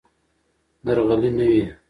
درغلي نه وي.